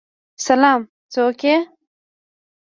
سلام، څوک یی؟